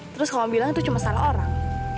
terus kamu bilang itu cuma salah orang